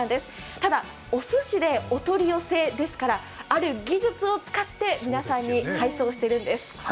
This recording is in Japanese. ただ、おすしでお取り寄せですからある技術を使って皆さんに配送してるんです。